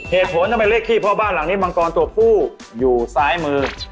เหตุผลทำไมเลขที่เพราะบ้านหลังนี้มังกรตัวผู้อยู่ซ้ายมือ